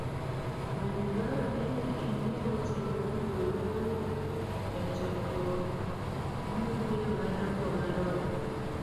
Bende dwarore ni ing'e weche mibiro wuoyoe e chokruok biro bedo madongo marom